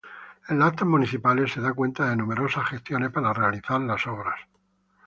En las Actas Municipales se da cuenta de numerosos gestiones para realizar las obras.